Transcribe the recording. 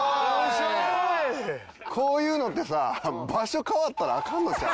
こういうのってさ場所変わったらアカンのちゃう？